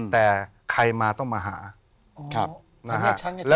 แต่ใครมาต้องมาหา